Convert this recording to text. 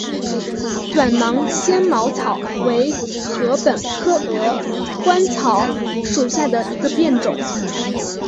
短芒纤毛草为禾本科鹅观草属下的一个变种。